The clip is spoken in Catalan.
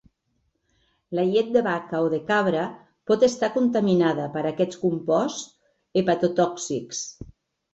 La llet de vaca o de cabra pot estar contaminada per aquests composts hepatotòxics.